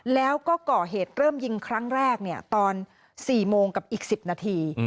แล้วก็ก่อเหตุเริ่มยิงครั้งแรกตอน๔โมงกับอีก๑๐นาที